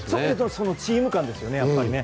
そのチーム感ですよね。